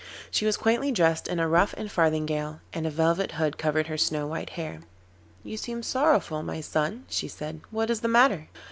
She was quaintly dressed in a ruff and farthingale, and a velvet hood covered her snow white hair. 'You seem sorrowful, my son,' she said. 'What is the matter?